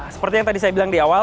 seperti yang tadi saya bilang di awal